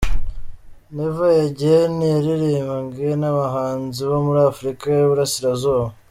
Neva egeni yaririmbwe n’Abahanzi bo muri Afurika y’Uburasirazuba.